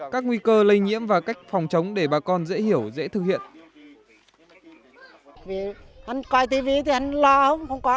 các nguy cơ lây nhiễm và cách phòng chống để bà con dễ hiểu dễ thực hiện